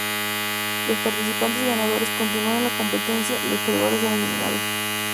Los participantes ganadores continúan en la competencia y los perdedores son eliminados.